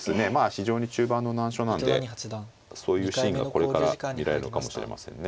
非常に中盤の難所なんでそういうシーンがこれから見られるのかもしれませんね。